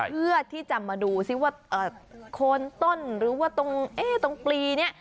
เพื่อที่จะมาดูซิว่าโคนต้นหรือว่าตรงปลีเนี่ย